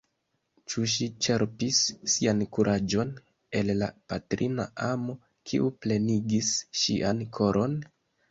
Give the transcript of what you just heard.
Ĉu ŝi ĉerpis sian kuraĝon el la patrina amo, kiu plenigis ŝian koron?